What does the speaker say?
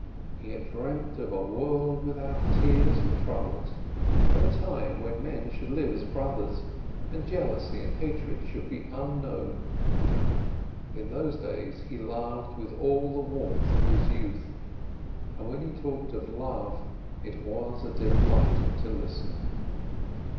He had dreamt of a world without tears and troubles, of a time when men should live as brothers, and jealousy and hatred should be unknown. In those days he loved with all the warmth of his youth, and when he talked of love, it was a delight to listen.